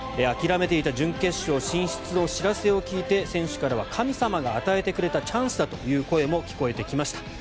諦めていた準決勝進出の知らせを聞いて選手からは神様が与えてくれたチャンスだという声も聞かれました。